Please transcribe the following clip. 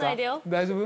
大丈夫？